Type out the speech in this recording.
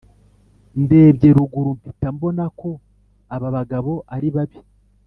ndebye ruguru mpita mbona ko aba bagabo ari babi